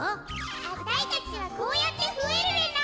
あたいたちはこうやってふえるレナ。